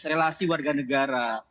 relasi warga negara